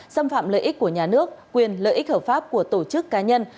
xâm phạm lợi ích của nhà nước quyền lợi ích hợp pháp của tổ chức cá nhân